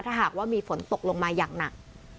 ถ้าหากว่ามีฝนตกลงมาอย่างหนัก